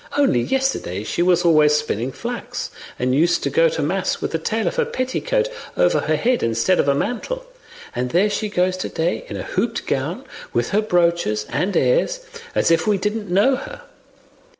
Only yesterday she was always spinning flax, and used to go to mass with the tail of her petticoat over her head instead of a mantle, and there she goes to day in a hooped gown with her broaches and airs, as if we didn't know her!